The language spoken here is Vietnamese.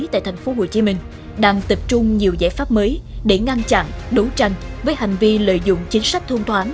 tại thành phố hồ chí minh đang tập trung nhiều giải pháp mới để ngăn chặn đấu tranh với hành vi lợi dụng chính sách thông thoáng